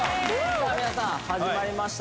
さあ皆さん始まりました